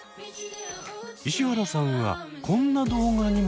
石原さんはこんな動画にも注目。